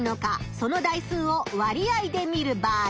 その台数を割合で見る場合